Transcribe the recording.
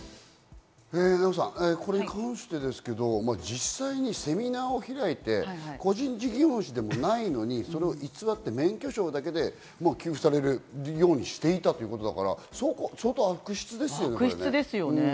これに関して実際にセミナーを開いて、個人事業主でもないのに、偽って免許証だけで給付されるようにしていたということだから、相当悪質ですよね。